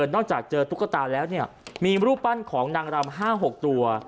นอกจากเจอตุ๊กตาแล้วมีรูปปั้นของนางรำ๕๖ตัว